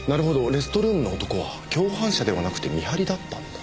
レストルームの男は共犯者ではなくて見張りだったんだ。